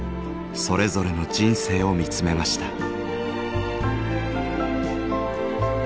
それぞれの人生を見つめました。